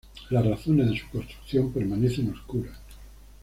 Las razones de su construcción permanecen oscuras.